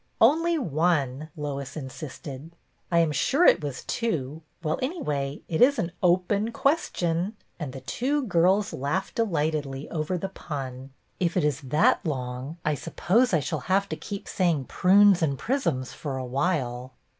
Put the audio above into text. " Only one," Lois insisted. " I am sure it was two — well, anyway, it is an open question ;" and the two girls laughed delightedly over the pun. " If it is that long, I suppose I shall have to keep say ing ' prunes and prisms ' for a while."